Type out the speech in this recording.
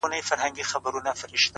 • ښایسته به وي بې حده، بې قیاسه ,